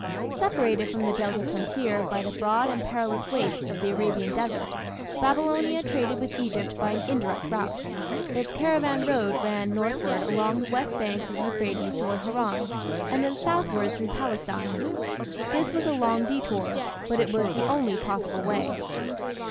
Separated from the Delta frontier by the broad and perilous wastes of the Arabian desert, Babylonia traded with Egypt by an indirect route. Its caravan road ran northward along the west bank of the Euphrates towards Haran, and then southward through Palestine. This was a long detour, but it was the only possible way.